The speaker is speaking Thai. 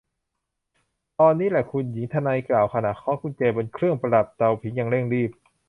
ตอนนี้แหละคุณหญิง ทนายกล่าวขณะเคาะกุญแจบนเครื่องประดับเตาผิงอย่างเร่งรีบ